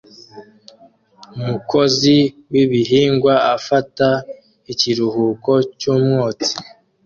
Umukozi w'ibihingwa afata ikiruhuko cy'umwotsi